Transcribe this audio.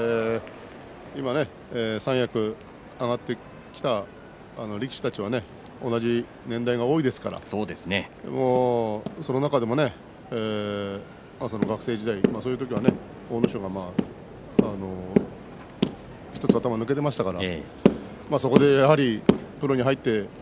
今、三役に上がってきた力士たちは同じ年代が多いですからその中でも学生時代そういう時には阿武咲が１つ頭、抜けていましたからそこでプロに入って